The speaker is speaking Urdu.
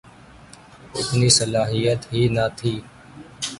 اتنی صلاحیت ہی نہ تھی۔